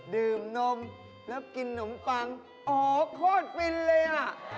ดื่มนมแล้วกินนมปังอ๋อโคตรฟินเลยอ่ะ